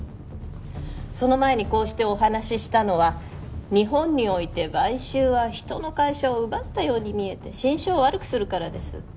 その前にこうしてお話ししたのは日本において買収は人の会社を奪ったように見えて心証を悪くするからです